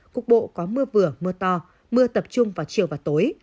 cục bộ có mưa vừa mưa to mưa tập trung vào chiều và tối